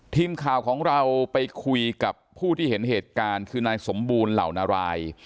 ทีมข่าวของเราไปคุยกับผู้ที่เห็นเหตุการณ์คือนายสมบูรณ์เหล่านาราย